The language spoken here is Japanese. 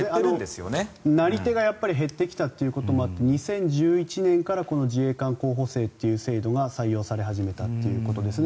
なり手が減ってきたこともあって２０１１年から自衛官候補生という制度が採用され始めたということですね。